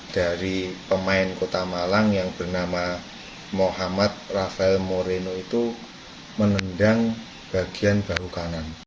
dari pemain kota malang yang bernama muhammad rafael moreno itu menendang bagian bahu kanan